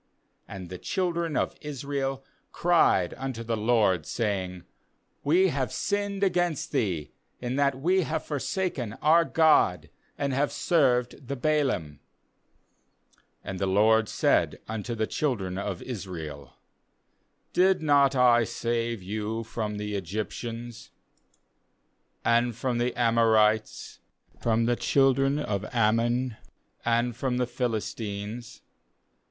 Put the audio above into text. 10And the children of Israel cried unto the * That is, The milages o/ Jair, 308 LORD, saying: 'We have sinned against Thee, in that we have for saken our God, and have served the Baalim.' uAnd the LORD said unto the children of Israel: 'Did not I save you from the Egyptians, and from the Amorites, from the ^ children of Ammon, and from the Philistines?